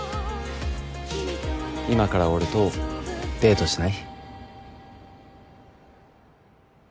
今から俺とデートしない？